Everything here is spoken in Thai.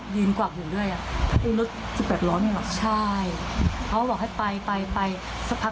พอเดินไปกวากรถเขาเบนกวาดเผ่าทางที่เขายืนกวาก